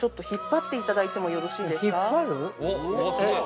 引っ張っていただいてもよろしいですか。